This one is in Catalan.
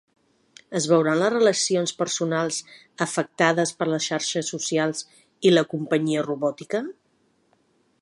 Es veuran les relacions personals afectades per les xarxes socials i la companyia robòtica?